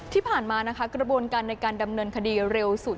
ที่ผ่านมานะคะกระบวนการในการดำเนินคดีเร็วสุด